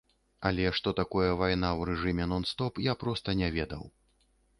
Але што такое вайна ў рэжыме нон-стоп, я проста не ведаў.